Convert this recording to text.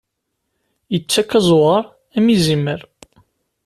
Ittak azuɣer am izimer.